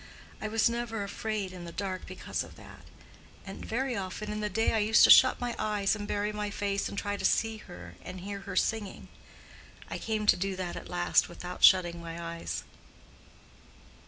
I was never afraid in the dark, because of that; and very often in the day I used to shut my eyes and bury my face and try to see her and to hear her singing. I came to do that at last without shutting my eyes."